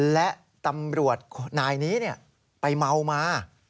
และตำรวจนายนี้ไปเมามา